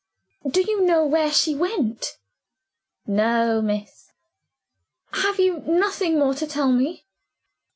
"Do you know where she went?" "No, miss." "Have you nothing more to tell me?"